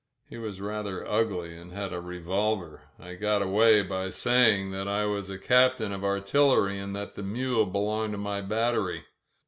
He was rather ugly and had a revolver. I got away by saying S56 THE FALL OF GOMEZ PALACIO that I was a captain of artillery and that the mule be longed to my battery.